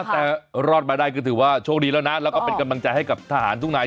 แต่รอดมาได้ก็ถือว่าโชคดีแล้วนะแล้วก็เป็นกำลังใจให้กับทหารทุกนาย